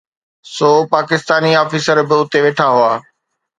سو Pakistani officer به اتي ويٺا هئا.